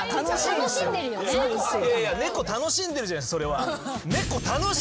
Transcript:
いやいや猫楽しんでるじゃんそれは。